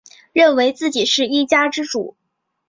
认为自己是一家之主